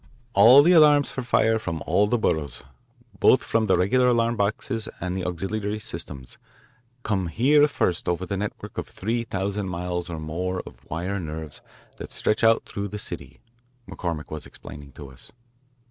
"All the alarms for fire from all the boroughs, both from the regular alarm boxes and the auxiliary systems, come here first over the network of three thousand miles or more of wire nerves that stretch out through the city," McCormick was explaining to us.